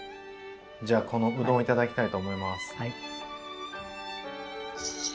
じゃあこのうどんを頂きたいと思います。